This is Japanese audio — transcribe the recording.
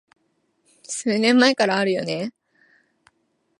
数年前からあるよね